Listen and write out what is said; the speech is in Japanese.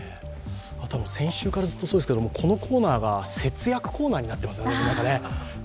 あとは先週からずっとそうですけど、このコーナーが節約コーナーになってますね。